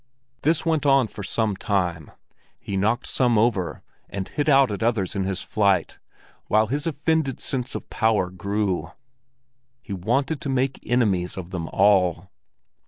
This went on for some time; he knocked some over and hit out at others in his flight, while his offended sense of power grew. He wanted to make enemies of them all.